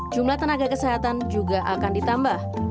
jumlah tenaga kesehatan juga akan ditambah